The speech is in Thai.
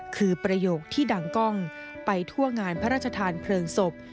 คือประโยคที่ดังกล้องไปทั่วงานพระราชทานเพลิงศพ